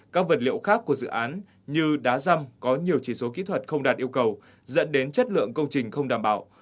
các vật liệu khác của dự án như đá răm có nhiều chỉ số kỹ thuật không đạt yêu cầu dẫn đến chất lượng công trình không đảm bảo